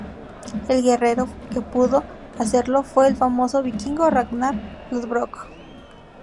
El guerrero que pudo hacerlo fue el famoso vikingo Ragnar Lodbrok.